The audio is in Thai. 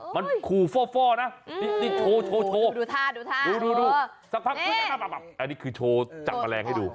มันคู่ฟ่อนะโชว์ดูสักพักอันนี้คือโชว์จักรแมลงให้ดู